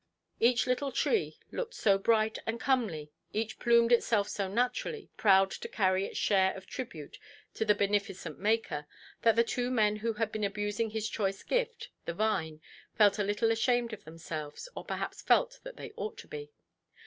Each little tree looked so bright and comely, each plumed itself so naturally, proud to carry its share of tribute to the beneficent Maker, that the two men who had been abusing His choice gift, the vine, felt a little ashamed of themselves, or perhaps felt that they ought to be.